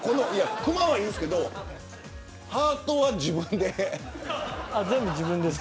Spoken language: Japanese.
クマはいいんですけどハートは自分でですか。